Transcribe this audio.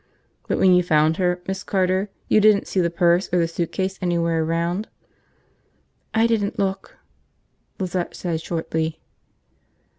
"But when you found her, Miss Carter, you didn't see the purse or the suitcase anywhere around?" "I didn't look," Lizette said shortly.